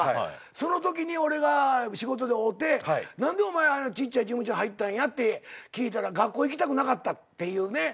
そのときに俺が仕事で会うて何でちっちゃい事務所入ったんやって聞いたら学校行きたくなかったっていうね。